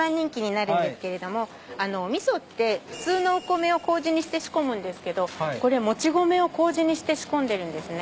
お味噌って普通のお米をこうじにして仕込むんですけどこれもち米をこうじにして仕込んでるんですね。